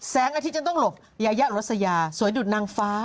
แสงอาทิตย์จะต้องหลบยายาลักษณ์สวยดุดนางฟ้า